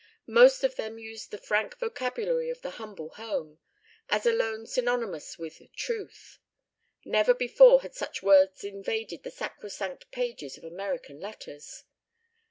Most of them used the frank vocabulary of the humble home, as alone synonymous with Truth. Never before had such words invaded the sacrosanct pages of American letters.